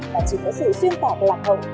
mà chỉ có sự xuyên tạp và lạc hồng